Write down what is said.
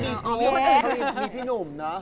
มีพี่หนุ่มนะ